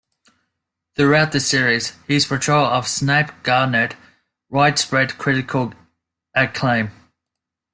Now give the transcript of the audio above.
Throughout the series, his portrayal of Snape garnered widespread critical acclaim.